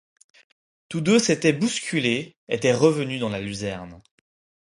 Toutes deux s’étaient bousculées, étaient revenues dans la luzerne.